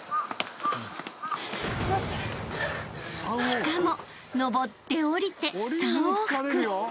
［しかも上って下りて］